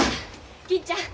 銀ちゃん